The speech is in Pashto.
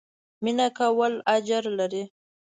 مينه کول اجر لري